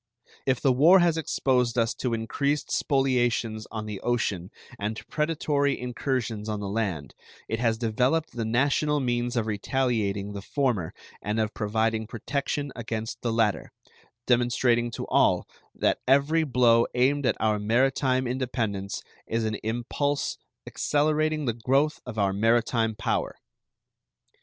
If the war has exposed us to increased spoliations on the ocean and to predatory incursions on the land, it has developed the national means of retaliating the former and of providing protection against the latter, demonstrating to all that every blow aimed at our maritime independence is an impulse accelerating the growth of our maritime power.